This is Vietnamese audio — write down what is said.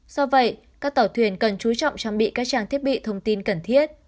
do vậy các tàu thuyền cần chú trọng trang bị các trang thiết bị thông tin cần thiết